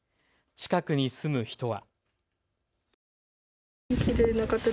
近くに住む人は。